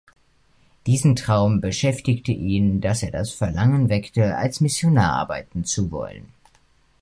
Diesen Traum beschäftigte ihn, dass er das Verlangen weckte als Missionar arbeiten zu wollen.